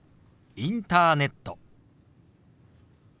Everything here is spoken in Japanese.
「インターネット」。